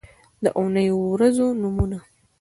د اونۍ د ورځو نومونه